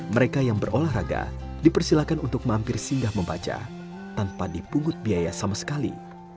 mereka yang berolahraga dipersilakan untuk mampir singgah membaca tanpa dipungut biaya sama sekali